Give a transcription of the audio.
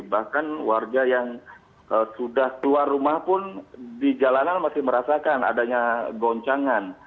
bahkan warga yang sudah keluar rumah pun di jalanan masih merasakan adanya goncangan